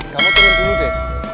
kamu turun dulu de